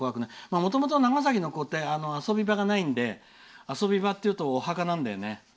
もともと、長崎の子は遊び場がないので遊び場っていうとお墓なんだよね。